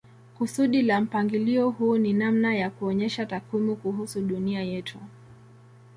Kusudi la mpangilio huu ni namna ya kuonyesha takwimu kuhusu dunia yetu.